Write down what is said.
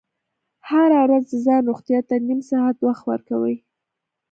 هره ورځ د ځان روغتیا ته نیم ساعت وخت ورکوئ.